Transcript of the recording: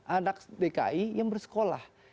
anak dki yang bersekolah